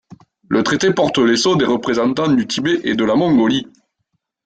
Le traité porte les sceaux des représentants du Tibet et de la Mongolie.